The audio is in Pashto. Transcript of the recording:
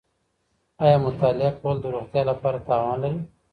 ایا مطالعه کول د روغتیا لپاره تاوان لري؟